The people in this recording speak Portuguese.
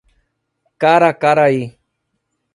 Caracaraí